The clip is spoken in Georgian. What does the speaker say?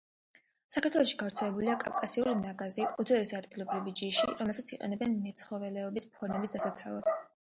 საქართველოში გავრცელებულია კავკასიური ნაგაზი უძველესი ადგილობრივი ჯიშია, რომელსაც იყენებენ მეცხოველეობის ფერმების დასაცავად.